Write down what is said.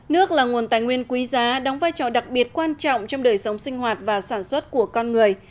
nước là nguồn tài nguyên quý giá đóng vai trò đặc biệt quan trọng trong đời sống sinh hoạt và sản xuất của con người